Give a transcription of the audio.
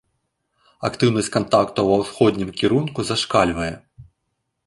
Актыўнасць кантактаў ва ўсходнім кірунку зашкальвае.